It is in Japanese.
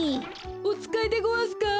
おつかいでごわすか？